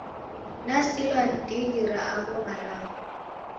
Nasilwa ni ndighi ra agho malagho.